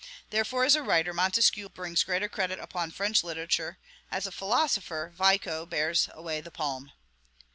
Therefore, as a writer, Montesquieu brings greater credit upon French literature; as a philosopher, Vico bears away the palm.